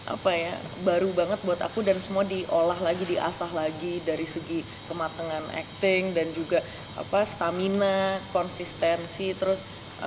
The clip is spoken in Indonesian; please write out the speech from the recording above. apa ya baru banget buat aku dan semua diolah lagi diasah lagi dari segi kematangan acting dan juga apa stamina konsistensi terus